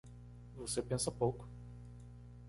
Você pensa pouco